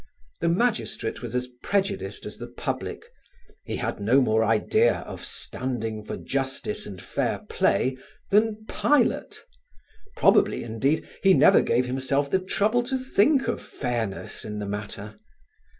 The magistrate was as prejudiced as the public; he had no more idea of standing for justice and fair play than Pilate; probably, indeed, he never gave himself the trouble to think of fairness in the matter.